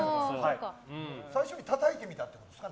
最初にたたいてみたってことですか？